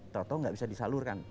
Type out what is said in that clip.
tau tau nggak bisa disalurkan